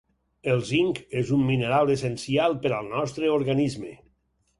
El zinc és un mineral essencial per al nostre organisme.